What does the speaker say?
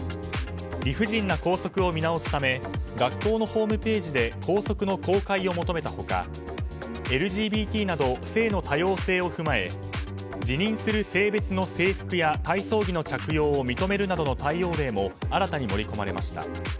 理不尽な校則を見直すため学校のホームページで校則の公開を求めた他ＬＧＢＴなど性の多様性を踏まえ自認する性別の制服や体操着の着用を認めるなどの対応例も新たに盛り込まれました。